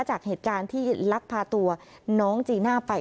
จากเหตุการณ์ที่ลักพาตัวน้องจีน่าไป